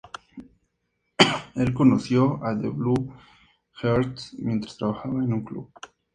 Él conoció a The Blue Hearts, mientras trabajaba en un club.